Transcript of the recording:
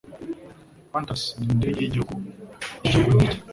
Qantas Nindege Yigihugu Yigihugu Niki